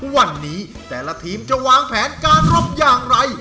วันนี้แต่ละทีมจะวางแผนการรบอย่างไร